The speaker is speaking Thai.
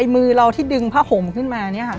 มือเราที่ดึงผ้าห่มขึ้นมาเนี่ยค่ะ